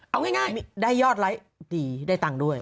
เอาง่ายได้ยอดไลค์ดีได้ตังค์ด้วย